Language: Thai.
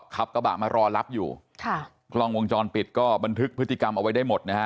ขับกระบะไม่รอลับอยู่ครับตรงกงติกรรมพิธีกรรมเอาไว้ได้หมดนะ